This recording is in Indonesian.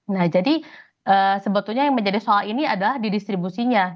nah jadi sebetulnya yang menjadi soal ini adalah di distribusinya